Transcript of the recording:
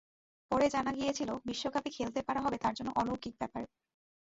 পরে জানা গিয়েছিল, বিশ্বকাপে খেলতে পারা হবে তাঁর জন্য অলৌকিক ব্যাপার।